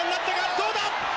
どうだ？